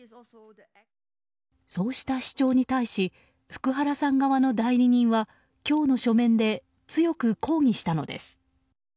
そうした主張に対し福原さん側の代理人は今日の書面で強く抗議したのです。